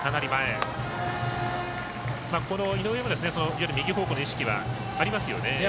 この井上も右方向の意識はありますよね。